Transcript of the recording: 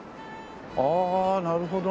ああなるほどね。